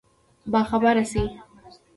باخبره شي.